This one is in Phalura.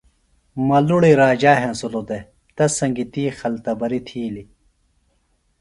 ملُڑی راجا ہینسِلوۡ دےۡ تس سنگیۡ تی خلتبریۡ تھیلیۡ